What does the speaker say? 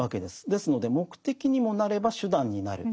ですので目的にもなれば手段になる。